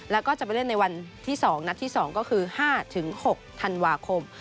แล้วก็จะไปเล่นในวันที่๒นัดที่๒ก็คือ๕๖ธันวาคม